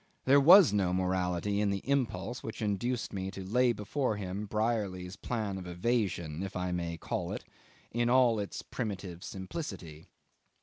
There was no morality in the impulse which induced me to lay before him Brierly's plan of evasion I may call it in all its primitive simplicity.